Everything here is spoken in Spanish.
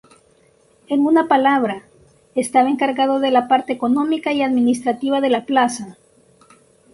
En una palabra, estaba encargado de la parte económica y administrativa de la plaza.